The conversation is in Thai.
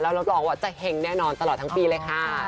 แล้วเราก็ออกว่าจะแห่งแน่นอนตลอดทั้งปีเลยค่ะ